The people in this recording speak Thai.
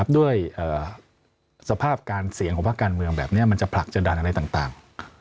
ด้วยสภาพการเสี่ยงของภาคการเมืองแบบนี้มันจะผลักจะดันอะไรต่าง